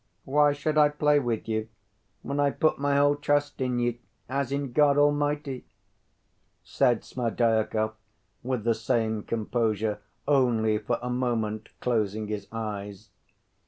"Why should I play with you, when I put my whole trust in you, as in God Almighty?" said Smerdyakov, with the same composure, only for a moment closing his eyes.